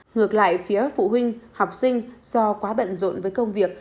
ngược lại phía phụ huynh học sinh do quá bận rộn với công việc